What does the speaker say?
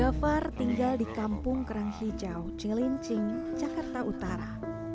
gavar tinggal di kampung kerang hijau cinglincing jakarta utara